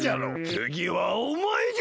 つぎはおまえじゃ！